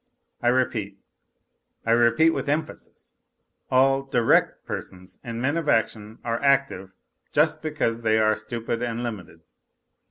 I repeat, I repeat with emphasis : all " direct " persons and men of action are active just because they are stupid and limited.